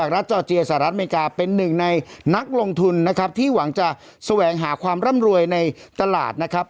รัฐจอร์เจียสหรัฐอเมริกาเป็นหนึ่งในนักลงทุนนะครับที่หวังจะแสวงหาความร่ำรวยในตลาดนะครับ